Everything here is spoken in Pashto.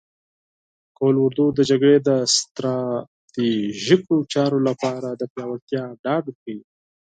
قول اردو د جګړې د ستراتیژیکو چارو لپاره د پیاوړتیا ډاډ ورکوي.